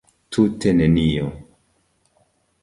Tute nenio!